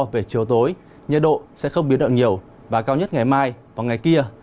về chiều tối nhiệt độ sẽ không biến động nhiều và cao nhất ngày mai và ngày kia